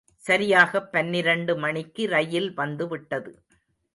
சரியாகப் பன்னிரண்டு மணிக்கு ரயில் வந்து விட்டது.